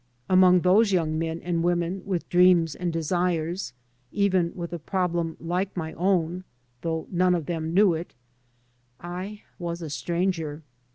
Among those young men and women with dreams and desires, even with a problem like my own (though none of them knew it) I was a stranger.